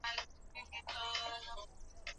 kupungua kwa guvu za tendo la ndoa